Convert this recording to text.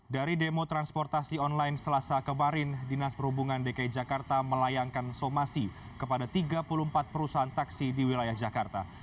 dari demo transportasi online selasa kemarin dinas perhubungan dki jakarta melayangkan somasi kepada tiga puluh empat perusahaan taksi di wilayah jakarta